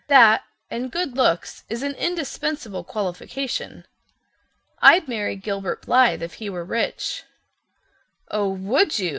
That—and good looks—is an indispensable qualification. I'd marry Gilbert Blythe if he were rich." "Oh, would you?"